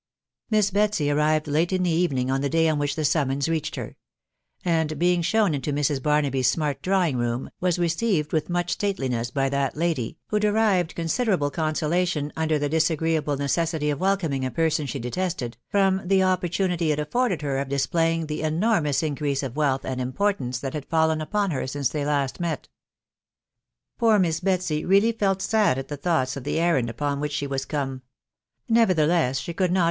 Miss Betsy arrived late in the evening of the day on which die summons reached her ; and, being shown into Mrs. Bar naby *s smart drawing room, was received with much state liness by that lady, who derived considerable consolation, un der the disagreeable necessity of welcoming a person she de tested, from the opportunity it afforded her of displaying the enormous increase of wealth and importance that had fallen upon her since they last met. Poor Miss Betsy really felt sad at the thoughts of the errand upon which she was come ; nevettheiew ita croi&TCft, THE W1B0W BARNABY.